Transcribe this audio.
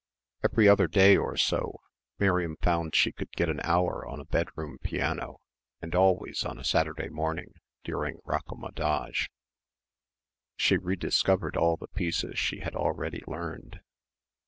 17 Every other day or so Miriam found she could get an hour on a bedroom piano; and always on a Saturday morning during raccommodage. She rediscovered all the pieces she had already learned.